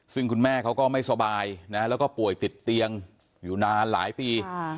ซึ่งคุณแม่เขาก็ไม่สบายนะแล้วก็ป่วยติดเตียงอยู่นานหลายปี